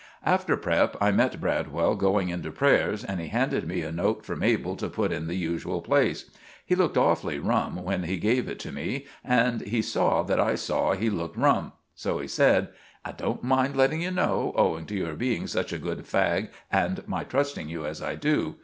After prep. I met Bradwell going in to prayers, and he handed me a note for Mabel to put in the usual place. He looked awfully rum when he gave it to me, and he saw that I saw he looked rum. So he said: "I don't mind letting you know, owing to your being such a good fag and my trusting you as I do.